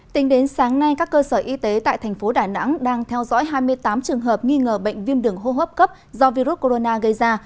tính đến sáng nay các cơ sở y tế tại thành phố đà nẵng đang theo dõi hai mươi tám trường hợp nghi ngờ bệnh viêm đường hô hấp cấp do virus corona gây ra